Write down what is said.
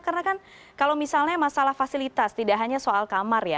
karena kan kalau misalnya masalah fasilitas tidak hanya soal kamar ya